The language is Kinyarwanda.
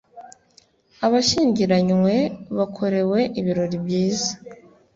abashyingiranywe bakorewe ibirori byiza